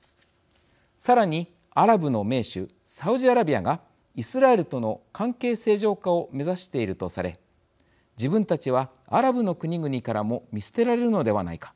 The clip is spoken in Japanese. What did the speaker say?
さらに、アラブの盟主サウジアラビアがイスラエルとの関係正常化を目指しているとされ自分たちはアラブの国々からも見捨てられるのではないか。